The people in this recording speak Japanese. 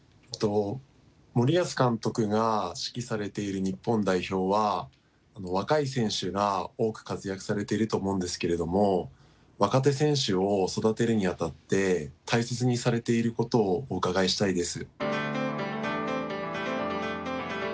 森保監督が指揮されている日本代表は若い選手が多く活躍されていると思うんですけれども若手選手を育てるにあたって大切にされていることをお伺いしたいです。